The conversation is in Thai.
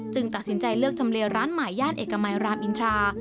ตัดสินใจเลือกทำเลร้านใหม่ย่านเอกมัยรามอินทรา